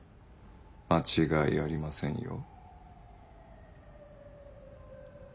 間違いありませんよ。